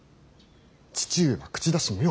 父上は口出し無用。